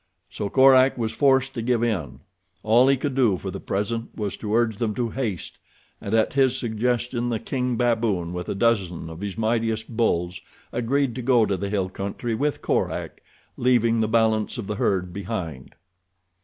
So Korak was forced to give in. All he could do for the present was to urge them to haste, and at his suggestion the king baboon with a dozen of his mightiest bulls agreed to go to the hill country with Korak, leaving the balance of the herd behind.